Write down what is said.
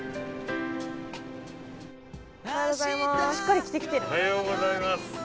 おはようございます。